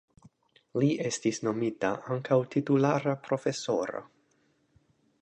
Li estis nomita ankaŭ titulara profesoro.